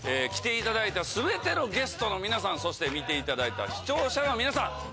来ていただいた全てのゲストの皆さんそして見ていただいた視聴者の皆さん